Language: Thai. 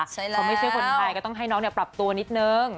ใช่แล้วเขาไม่ใช่คนไทยก็ต้องให้น้องปรับตัวนิดนึง